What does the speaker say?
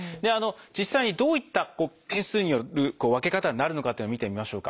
実際にどういった点数による分け方になるのかっていうのを見てみましょうか。